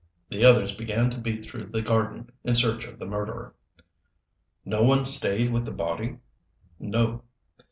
The others began to beat through the garden in search of the murderer." "No one stayed with the body?" "No."